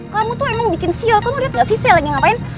kamu tuh emang bikin siul kamu liat ga sih sel lagi ngapain